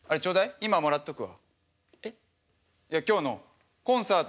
今もらっとくわ。